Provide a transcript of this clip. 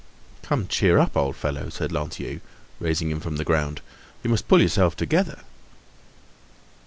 "Come, cheer up, old fellow," said Lantier, raising him from the ground; "you must pull yourself together."